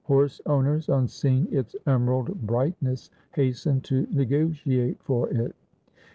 Horse owners on seeing its emerald brightness hastened to negotiate for it.